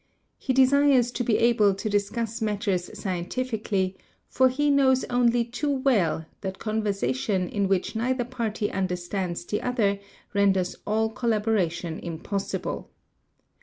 He desires to be able to discuss matters — scientifically, for he knows only too well that conversation in whieh neither party understands the other renders all collaboration impossible.